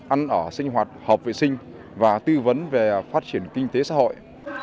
ăn ở sinh hoạt hợp vệ sinh và tư vấn về phát triển kinh tế xã hội